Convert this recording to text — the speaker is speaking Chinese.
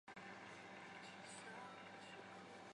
加强交通工程建设